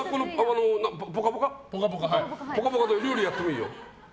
「ぽかぽか」で料理やってもいいよ。